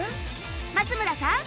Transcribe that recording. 松村さん